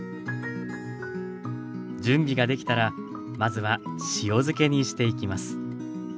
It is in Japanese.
準備ができたらまずは塩漬けにしていきます。